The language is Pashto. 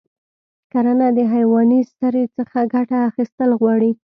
کرنه د حیواني سرې څخه ګټه اخیستل غواړي.